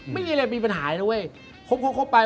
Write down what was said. ไม่มีอะไรมีปัญหาเลย